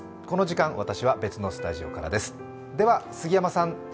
この時間、私は別のスタジオからです。